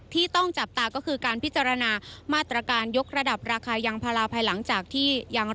ที่ต้องจับตาก็คือการพิจารณามาตรการยกระดับราคายางพาราภายหลังจากที่ยัง